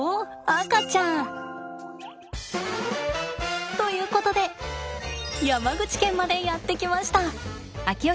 赤ちゃん！ということで山口県までやって来ました。